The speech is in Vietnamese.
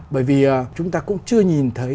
bởi vì chúng ta cũng chưa nhìn thấy